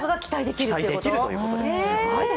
期待できるということです。